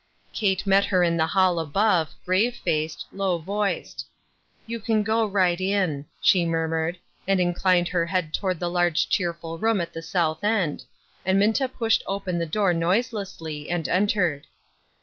Kate met her in the hall above, grave faced, low voiced. " You can go right in," she murmured, and inclined her head toward the large cheerful room at the south end, and Minta pushed open the door noise lessly, and entered.